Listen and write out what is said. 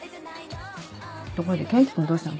ところで元気君どうしたの？